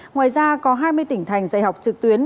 ngoài ra có hai mươi tỉnh thành dạy học trực tuyến